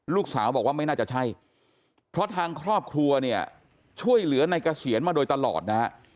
ลูกสาวบอกว่าไม่น่าจะใช่เพราะทางครอบครัวเนี่ยช่วยเหลือในเกษียณมาโดยตลอดนะฮะ